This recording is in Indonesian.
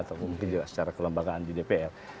atau mungkin juga secara kelembagaan di dpr